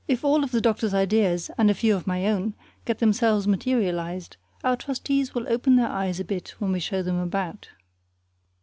If all of the doctor's ideas, and a few of my own, get themselves materialized, our trustees will open their eyes a bit when we show them about.